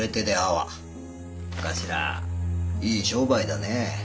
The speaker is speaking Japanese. お頭いい商売だねえ。